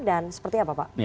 dan seperti apa pak